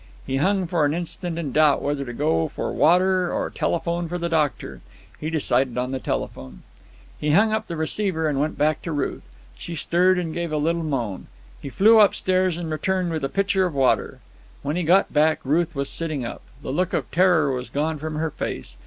He hung for an instant in doubt whether to go for water or telephone for the doctor. He decided on the telephone. He hung up the receiver and went back to Ruth. She stirred and gave a little moan. He flew upstairs and returned with a pitcher of water. When he got back Ruth was sitting up. The look of terror was gone from her face.